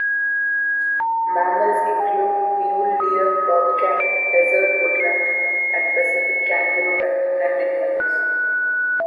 Mammals include mule deer, bobcat, desert woodrat, and Pacific kangaroo rat, and many others.